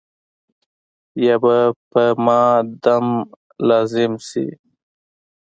یا به په ما دم لازم شي.